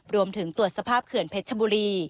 รวมถึงตรวจสภาพเขื่อนเพชรชบุรี